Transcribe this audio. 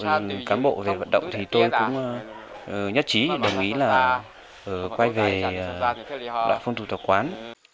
vận động cán bộ về vận động thì tôi cũng nhất trí đồng ý là quay về đạo phong thủ tập quán